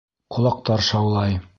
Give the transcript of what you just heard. Ҡолаҡтар шаулай.